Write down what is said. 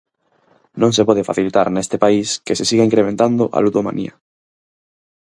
Non se pode facilitar neste país que se siga incrementando a ludomanía.